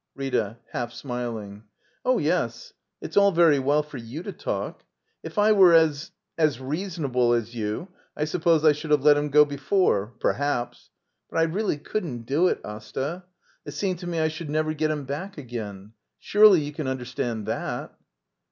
Rita. [Half smiling.] Oh, yes; it's all very well for you to talk. If I were as — as reasonable as you, I suppose I should have let him go before — perhaps. But I really couldn't do it, Asta. It seemed to me I should never get him back again. Surely you can understand that?